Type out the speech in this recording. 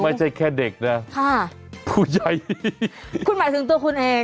ไม่ใช่แค่เด็กนะค่ะผู้ใหญ่คุณหมายถึงตัวคุณเอง